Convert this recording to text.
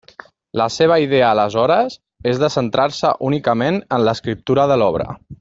La seva idea aleshores és de centrar-se únicament en l'escriptura de l'obra.